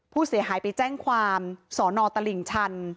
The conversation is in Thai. ผู้เสียหายไปแจ้งความสอนอตลิ่งชัน